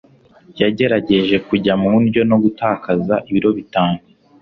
Yagerageje kujya mu ndyo no gutakaza ibiro bitanu.